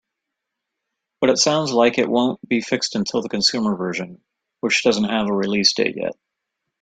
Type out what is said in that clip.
But it sounds like it won't be fixed until the consumer version, which doesn't have a release date yet.